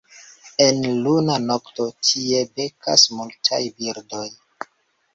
En luna nokto tie bekas multaj birdoj.